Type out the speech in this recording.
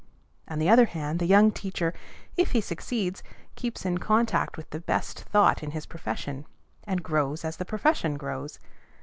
On the other hand the young teacher, if he succeeds, keeps in contact with the best thought in his profession, and grows as the profession grows.